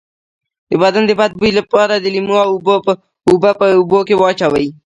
د بدن د بد بوی لپاره د لیمو اوبه په اوبو کې واچوئ